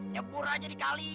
nyepur aja dikali